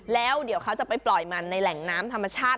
แล้วเดี๋ยวเขาจะไปปล่อยมันในแหล่งน้ำธรรมชาติ